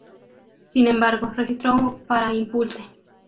Sin embargo, registró para Impulse!